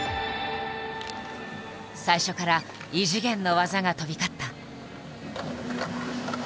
最初から異次元の技が飛び交った。